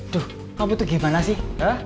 tuh kamu tuh gimana sih